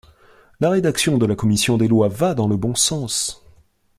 La rédaction de la commission des lois va dans le bon sens.